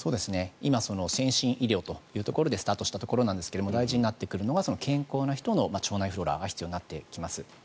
今先進医療というところでスタートしたところなんですが大事になってくるのが健康な人の腸内フローラが必要になってきます。